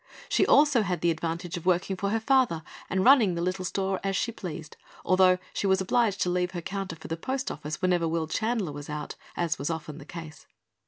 She also had the advantage of working for her father and running the little store as she pleased, although she was obliged to leave her counter for the post office whenever Will Chandler was out, as was often the case.